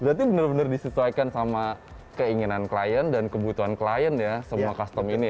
berarti benar benar disesuaikan sama keinginan klien dan kebutuhan klien ya semua custom ini ya